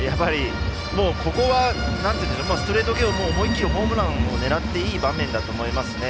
ここはストレート系思い切りホームランねらっていい場面だと思いますよね。